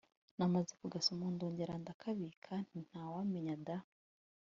namaze kugasoma ndongera ndakabika ntintawamenya da